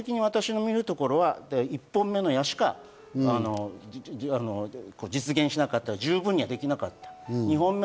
私の見るところは１本目の矢しか実現しなかった自分にはできなかった。